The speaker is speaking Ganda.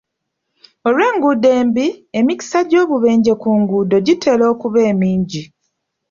Olw'enguudo embi, emikisa gy'obubenje ku nguudo gitera okuba emingi.